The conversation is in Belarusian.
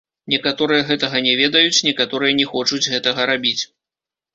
Некаторыя гэтага не ведаюць, некаторыя не хочуць гэтага рабіць.